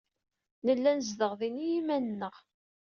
Nella nezdeɣ din i yiman-nneɣ.